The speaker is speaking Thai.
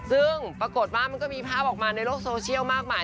ซึ่งปรากฏว่ามันก็มีภาพออกมาในโลกโซเชียลมากมาย